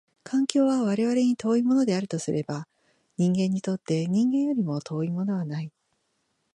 環境は我々に遠いものであるとすれば、人間にとって人間よりも遠いものはない。